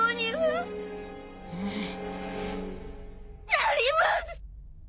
なります！